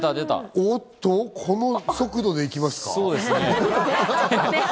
おっと、この速度で行きますか？